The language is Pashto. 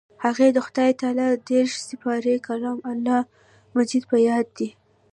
هغې د خدای تعالی دېرش سپارې کلام الله مجيد په ياد دی.